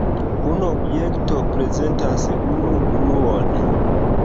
Unu objekto prezentas unu unuon.